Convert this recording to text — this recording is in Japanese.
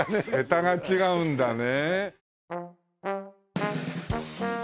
桁が違うんだね。